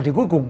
thì cuối cùng